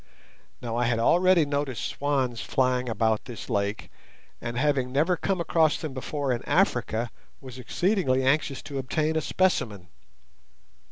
Now I had already noticed swans flying about this lake, and, having never come across them before in Africa, was exceedingly anxious to obtain a specimen.